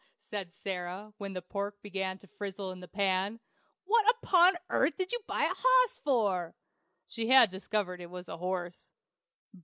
said Sarah, when the pork began to frizzle in the pan. "What upon airth did you buy a hoss for?" (She had discovered it was a horse.)